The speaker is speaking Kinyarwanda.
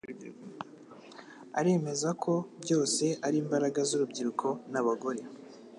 aremeza ko byose ari imbaraga z'urubyiruko n'abagore.